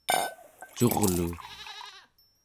curlu